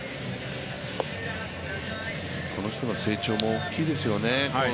この人の成長も大きいですよね。